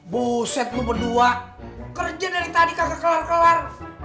buset lu berdua kerja dari tadi kagak kelar kelar